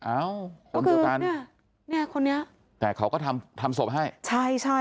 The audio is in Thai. อ้าวคนเดียวกันแต่เขาก็ทำศพให้ใช่ค่ะ